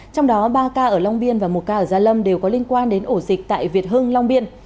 trong đó ba ca ở long biên và một ca ở gia lâm đều có liên quan đến ổ dịch tại việt hưng long biên